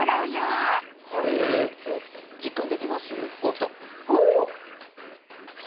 え実感できます？